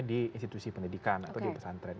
di institusi pendidikan atau di pesantren